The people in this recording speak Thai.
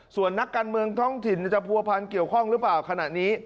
ส่วนนักการเมืองท้องถิ่นจะผัวพันเกี่ยวข้องหรือเปล่าขณะนี้